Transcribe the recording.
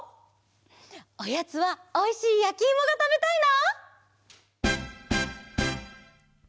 おやつはおいしいやきいもがたべたいな！